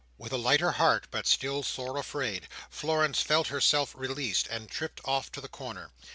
With a lighter heart, but still sore afraid, Florence felt herself released, and tripped off to the corner.